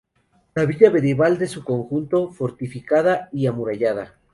La villa medieval en su conjunto, fortificada y amurallada.